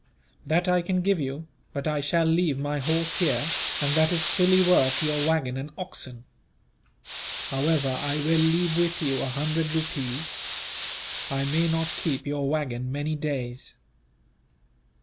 "That I can give you; but I shall leave my horse here, and that is fully worth your waggon and oxen. However, I will leave with you a hundred rupees. I may not keep your waggon many days."